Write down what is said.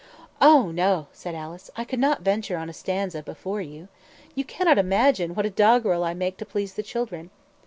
"Oh, no," said Alice; "I could not venture on a stanza before you. You cannot imagine what doggerel I make to please the children."